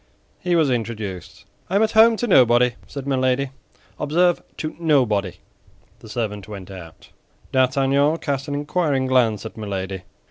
He was introduced. "I am at home to nobody," said Milady; "observe, to nobody." The servant went out. D'Artagnan cast an inquiring glance at Milady.